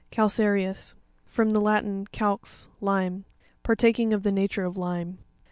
Cauca'REous.—From the Latin, calz, lime. Partaking of the nature of lime.